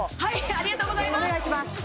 ありがとうございます